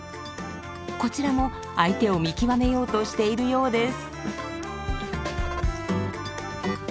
こちらも相手を見極めようとしているようです。